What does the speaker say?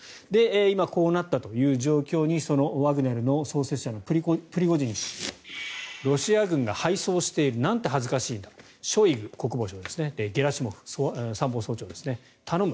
今、こうなったという状況にワグネルの創設者のプリゴジン氏ロシア軍が敗走しているなんて恥ずかしいんだショイグ国防相ゲラシモフ参謀総長頼む！